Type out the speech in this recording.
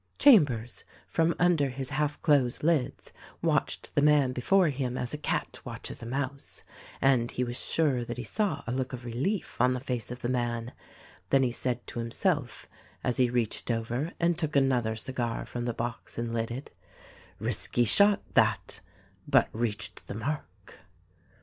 " Chambers, from under his half closed lids, watched the man before him as a cat watches a mouse, and he was sure that he saw a look of relief on the face of the man ; then he said to himself — as he reached over and took another cigar from the box and lit it, "Risky shot, that; but reached the mark.'